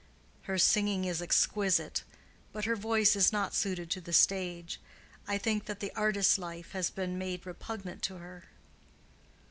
"Her singing is exquisite. But her voice is not suited to the stage. I think that the artist's life has been made repugnant to her."